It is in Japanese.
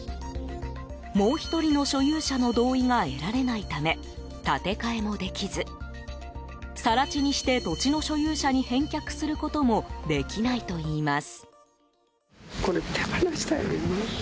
もう１人の所有者の同意が得られないため建て替えもできず更地にして土地の所有者に返却することもできないといいます。